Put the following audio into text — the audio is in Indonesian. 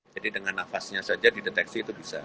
dengan nafasnya saja dideteksi itu bisa